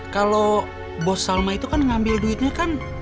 kalau bos salma itu kan ngambil duitnya kan